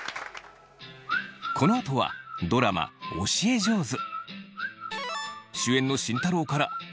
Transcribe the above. このあとはドラマ「教え上手」。